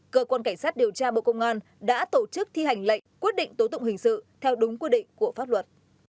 cơ quan cảnh sát điều tra bộ công an đã tổ chức thi hành lệnh quyết định tố tụng hình sự theo đúng quy định của pháp luật